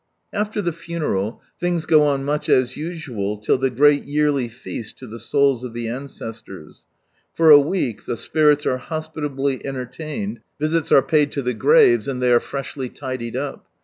After the funeral, things go on much as usual till the great yearly feast to the souls of the ancestors. For a week the spirits are hospitably entertained, visits are paid to the graves, and ihey are freshly tidied up.